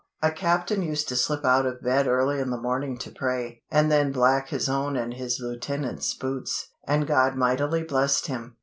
A Captain used to slip out of bed early in the morning to pray, and then black his own and his Lieutenant's boots, and God mightily blessed him.